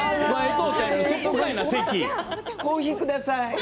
コーヒーください。